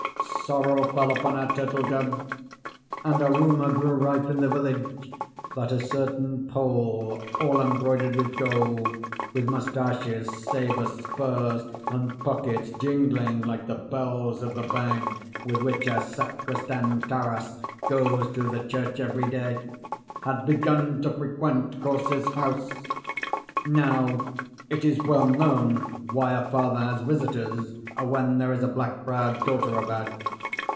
Sorrow fell upon our turtle doves; and a rumour grew rife in the village that a certain Pole, all embroidered with gold, with moustaches, sabre, spurs, and pockets jingling like the bells of the bag with which our sacristan Taras goes through the church every day, had begun to frequent Korzh's house. Now, it is well known why a father has visitors when there is a black browed daughter about.